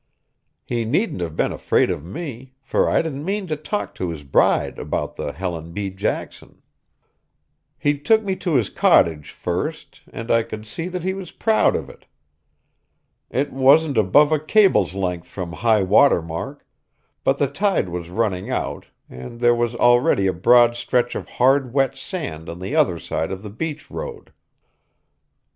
He needn't have been afraid of me, for I didn't mean to talk to his bride about the Helen B. Jackson. He took me to his cottage first, and I could see that he was proud of it. It wasn't above a cable's length from high water mark, but the tide was running out, and there was already a broad stretch of hard wet sand on the other side of the beach road.